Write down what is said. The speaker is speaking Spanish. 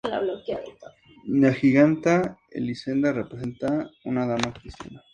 La giganta Elisenda representa una dama cristiana.